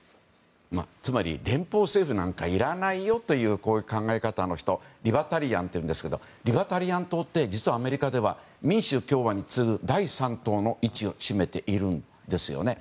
つまり、連邦政府なんかいらないよという考え方の人リバタリアンというんですがリバタリアン党って、実はアメリカでは、民主・共和に次ぐ第３党の位置を占めているんですよね。